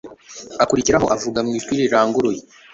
akurikiraho avuga mu ijwi riranguruye